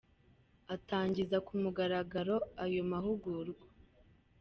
Atangiza ku mugaragaro ayo mahugurwa, Dr.